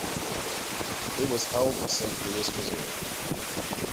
It was held in Saint Louis, Missouri.